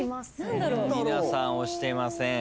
皆さん押してません。